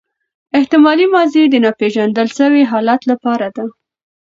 احتمالي ماضي د ناپیژندل سوي حالت له پاره ده.